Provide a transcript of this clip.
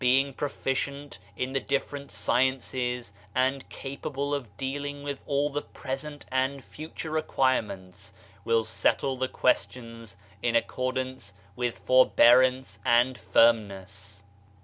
43 Diaiiizedb, Google MYSTERIOUS FORCES proficient in the differeat sciences and capable of dealing with all the present and future require ments will settle the questions in accordance with forbearance and firmness.